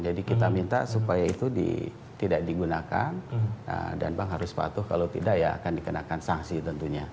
jadi kita minta supaya itu tidak digunakan dan bank harus patuh kalau tidak ya akan dikenakan sanksi tentunya